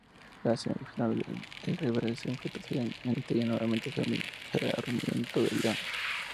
En semifinales el rival a enfrentar seria nuevamente Sarmiento de Leones.